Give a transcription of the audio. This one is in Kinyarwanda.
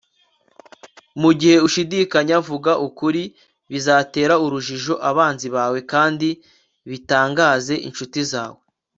Mugihe ushidikanya vuga ukuri Bizatera urujijo abanzi bawe kandi bitangaze inshuti zawe